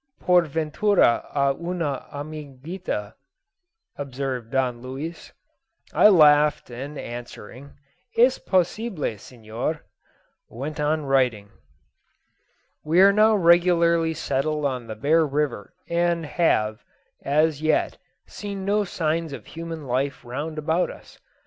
"Por ventura a una amiguita," observed Don Luis. I laughed, and answering, "Es possible, Senor," went on writing. We are now regularly settled on the Bear River, and have, as yet, seen no signs of human life round about us.